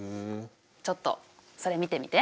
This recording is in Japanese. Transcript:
ちょっとそれ見てみて。